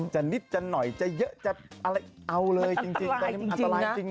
จะนิดจะหน่อยจะเยอะจะอะไรเอาเลยจริง